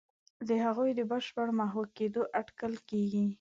د هغوی د بشپړ محو کېدلو اټکل کېږي.